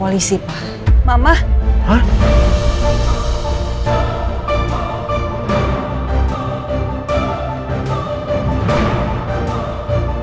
dia pasti mau nyakitin